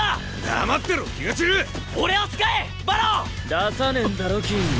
出さねえんだろキング。